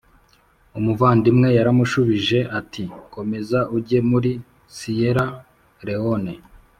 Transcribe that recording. Umuvandimwe yaramushubije ati komeza ujye muri siyera lewone